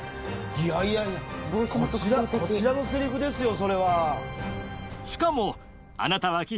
いやいやいやこちらのせりふですよそれは。